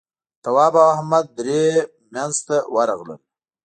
تواب او احمد درې مينځ ته ورغلل.